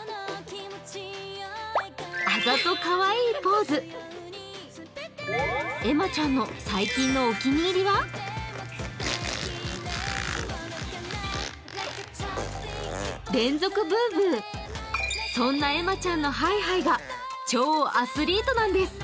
そんなえまちゃんのハイハイが超アスリートなんです。